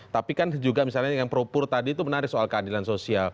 tapi kan juga misalnya yang propur tadi itu menarik soal keadilan sosial